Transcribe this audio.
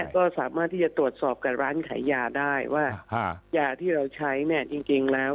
ก็สามารถที่จะตรวจสอบกับร้านขายยาได้ว่ายาที่เราใช้เนี่ยจริงแล้ว